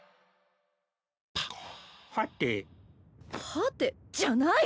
はて？じゃない！